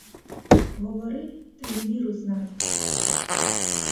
Говори та й міру знай!